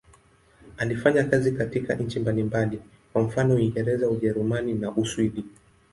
Alifanya kazi katika nchi mbalimbali, kwa mfano Uingereza, Ujerumani na Uswidi.